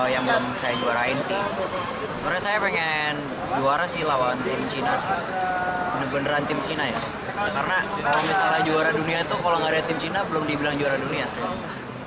sebelum berhasil meraih medali emas para penggemar di tangerang tangerang banten dan tangerang berhasil menyubangkan dua medali emas